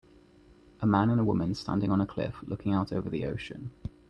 A man and a woman standing on a cliff looking out over the ocean.